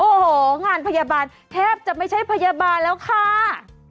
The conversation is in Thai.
โอ้โหงานพยาบาลแทบจะไม่ใช่พยาบาลแล้วค่ะ